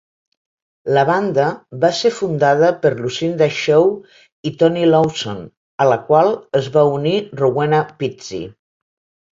La banda va ser fundada per Lucinda Shaw i Toni Lawson, a la qual es va unir Rowena Pizzey.